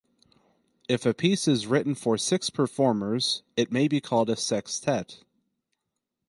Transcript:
If a piece is written for six performers, it may be called a "sextet".